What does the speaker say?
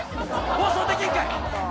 放送できるんかい！